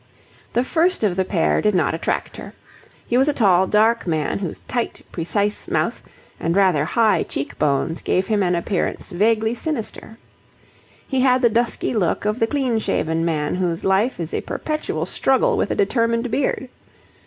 The first of the pair did not attract her. He was a tall, dark man whose tight, precise mouth and rather high cheeks bones gave him an appearance vaguely sinister. He had the dusky look of the clean shaven man whose life is a perpetual struggle with a determined beard.